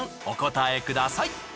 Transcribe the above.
お答えください。